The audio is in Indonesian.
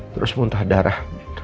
terus muntah darah